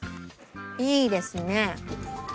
いいですね。